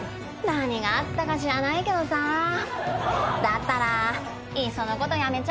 何があったか知らないけどさだったらいっそのこと辞めちゃえば？